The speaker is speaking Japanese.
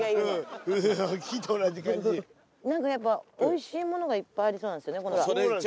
なんかやっぱおいしいものがいっぱいありそうなんすよね。